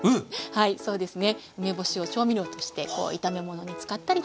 はいそうですね。